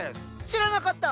知らなかった！